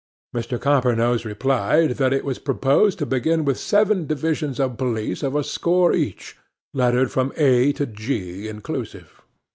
'MR. COPPERNOSE replied, that it was proposed to begin with seven divisions of police of a score each, lettered from A to G inclusive.